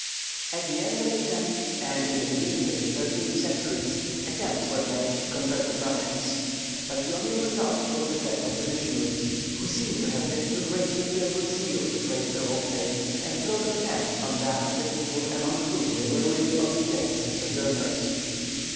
At the end of the tenth and in the beginning of the thirteenth centuries attempts were made to convert the Prussians; but the only result was the death of the missionaries, who seem to have been too greatly filled with zeal to praise their own faith and throw contempt on that of the people among whom they were really only guests and sojourners.